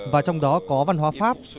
và trong đó có văn hóa pháp